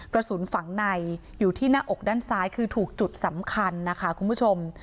กระสุนฝังในอยู่ที่หน้าอกด้านซ้ายคือถูกจุดสำคัญนะคะคุณผู้ชม